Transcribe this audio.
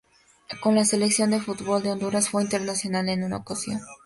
Con la selección de fútbol de Honduras fue internacional en una ocasión.